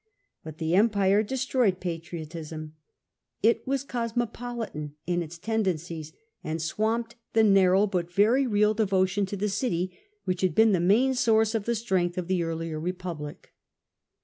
But the empire destroyed patriotism ; it was cosmopolitan in its tendencies, and swamped the narrow but very real devotion to the city, which had been the main source of the strength of the earlier republic.